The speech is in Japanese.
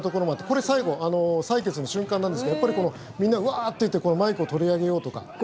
これが最後採決の瞬間なんですけどやっぱりみんなウワーッて行ってマイクを取り上げようとか。